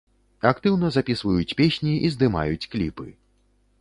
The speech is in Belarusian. Актыўна запісваюць песні і здымаюць кліпы.